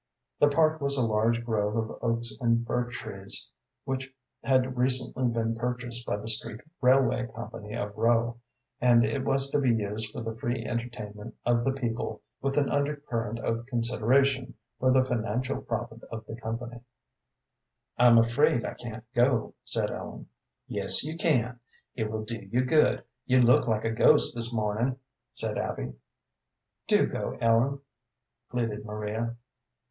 The park was a large grove of oaks and birch trees which had recently been purchased by the street railway company of Rowe, and it was to be used for the free entertainment of the people, with an undercurrent of consideration for the financial profit of the company. "I'm afraid I can't go," said Ellen. "Yes, you can; it will do you good; you look like a ghost this morning," said Abby. "Do go, Ellen," pleaded Maria.